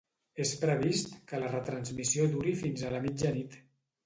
És previst que la retransmissió duri fins a la mitjanit.